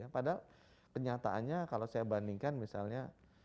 padahal kenyataannya kalau saya bandingkan misalnya